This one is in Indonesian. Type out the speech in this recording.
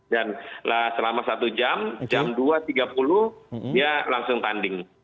dan selama satu jam jam dua tiga puluh dia langsung tanding